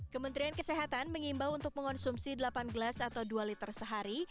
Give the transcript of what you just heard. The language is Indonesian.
kementerian kesehatan mengimbau untuk mengonsumsi delapan gelas atau dua liter sehari